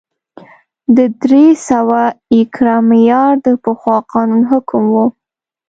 د درې سوه ایکره معیار د پخوا قانون حکم و